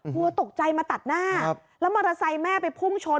กลัวตกใจมาตัดหน้าแล้วมอเตอร์ไซค์แม่ไปพุ่งชน